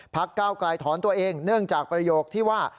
ภักดิ์เก้าไกลถอนตัวเองเนื่องจากประโยคที่ว่า